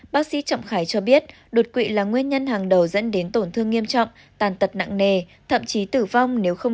bác sĩ trọng khải cho biết đột quỵ là nguyên nhân hàng đầu dẫn đến tổn thương nghiêm trọng tàn tật nặng nề